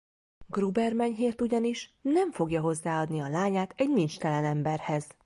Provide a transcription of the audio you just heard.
Gruber Menyhért ugyanis nem fogja hozzáadni a lányát egy nincstelen emberhez.